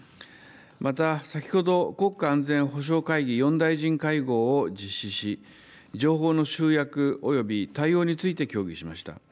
また、先ほど、国家安全保障会議４大臣会合を実施し、情報の集約および対応について協議しました。